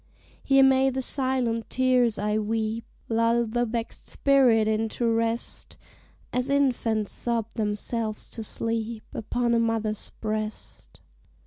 Here may the silent tears I weep Lull the vexed spirit into rest, As infants sob themselves to sleep Upon a mother's breast.